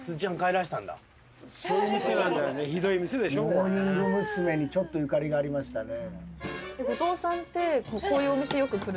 モーニング娘。にちょっとゆかりがありましたね。